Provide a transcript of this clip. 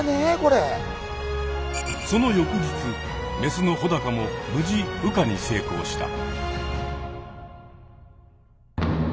その翌日メスのほだかも無事羽化に成功した。